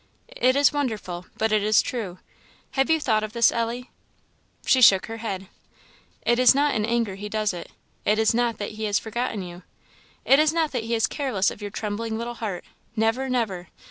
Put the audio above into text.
It is wonderful! but it is true. Have you thought of this, Ellie?" She shook her head. "It is not in anger He does it; it is not that He has forgotten you: it is not that He is careless of your trembling little heart never, never!